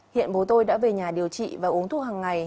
hiện bố tôi đã về nhà điều trị và uống thuốc hằng ngày